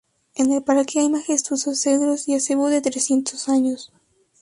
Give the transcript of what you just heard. En el parque hay majestuosos cedros y acebo de trescientos años.